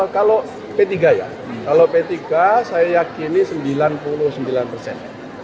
kalau p tiga ya kalau p tiga saya yakini sembilan puluh sembilan persen